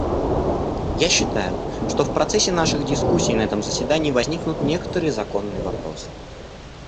Я считаю, что в процессе наших дискуссий на этом заседании возникнут некоторые законные вопросы.